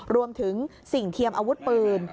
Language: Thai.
รวมถึงสิ่งเทียมอาวุธปืน